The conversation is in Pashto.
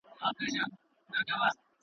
چي یو زه وای یوه ته وای.